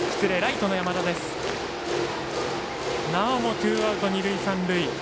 なおもツーアウト二塁三塁。